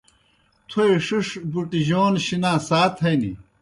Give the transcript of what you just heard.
تھوئے ݜِݜ بُٹِیْجَون شِنا سات ہنیْ۔